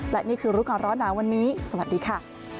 และนี่คือรู้ก่อนร้อนหนาวันนี้สวัสดีค่ะ